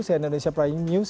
saya indonesia prime news